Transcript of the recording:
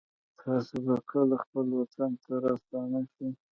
تاسو به کله خپل وطن ته راستانه شئ